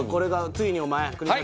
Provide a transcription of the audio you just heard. ついにお前国崎。